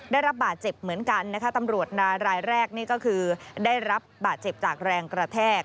ได้รับบาดเจ็บเหมือนกันนะคะตำรวจนายรายแรกนี่ก็คือได้รับบาดเจ็บจากแรงกระแทก